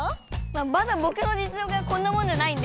まだぼくのじつ力はこんなもんじゃないんで。